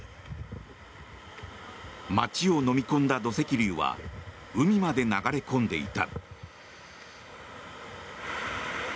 街をのみ込んだ土石流は海まで流れ込んでいた。